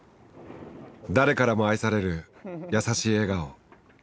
誰からも愛される優しい笑顔。